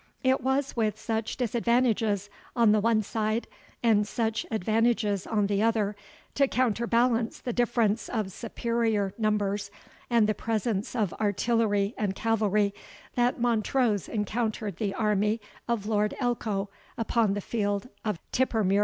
It was with such disadvantages on the one side, and such advantages on the other, to counterbalance the difference of superior numbers and the presence of artillery and cavalry, that Montrose encountered the army of Lord Elcho upon the field of Tippermuir.